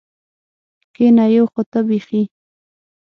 کېنه یو خو ته بېخي.